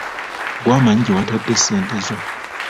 Gwe amanyi gye watadde ssente zo.